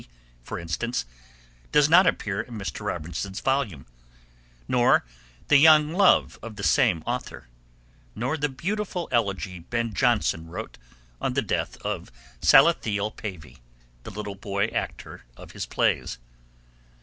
C., for instance, does not appear in Mr. Robertson's volume, nor the Young Love of the same author, nor the beautiful elegy Ben Jonson wrote on the death of Salathiel Pavy, the little boy actor of his plays.